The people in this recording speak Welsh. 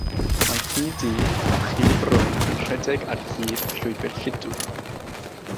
Mae ci du a chi brown yn rhedeg ar hyd llwybr lludw.